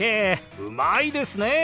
うまいですね！